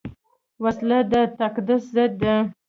وسله د تقدس ضد ده